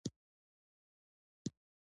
درېیمه ډله غوښتل یې منځنۍ لاره ولټوي.